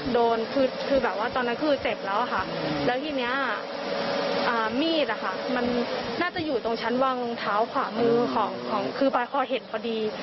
โดนคือแบบว่าตอนนั้นคือเจ็บแล้วค่ะแล้วทีนี้มีดมันน่าจะอยู่ตรงชั้นวางรองเท้าขวามือของคือปอยพอเห็นพอดี